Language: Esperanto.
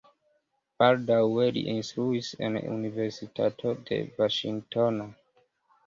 Baldaŭe li instruis en universitato de Vaŝingtono.